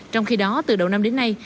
trong khi đó từ đầu năm đến nay